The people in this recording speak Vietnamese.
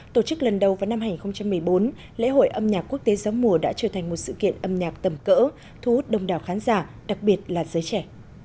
tổ chức lần đầu vào năm hai nghìn một mươi bốn lễ hội âm nhạc quốc tế gió mùa đã trở thành một sự kiện âm nhạc tầm cỡ thu hút đông đảo khán giả đặc biệt là giới trẻ